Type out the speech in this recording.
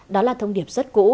đó là thông điệp rất cũ